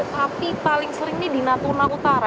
tapi paling seringnya di natuna utara